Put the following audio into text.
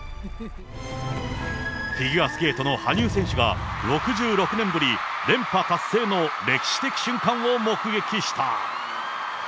フィギュアスケートの羽生選手が６６年ぶり連覇達成の歴史的瞬間を目撃した。